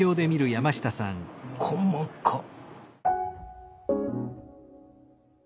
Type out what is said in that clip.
細かっ！